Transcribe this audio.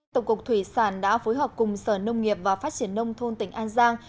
tổng cục thủy sản đã phối hợp cùng sở nông nghiệp và phát triển nông thôn tỉnh an giang